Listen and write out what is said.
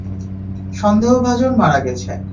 সন্দেহভাজন মারা গেছে।